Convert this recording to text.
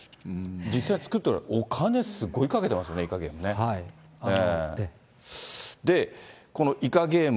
実際作ってる、お金、すごいかけてますよね、イカゲーム。